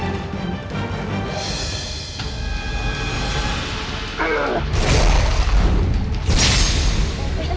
ada apa ini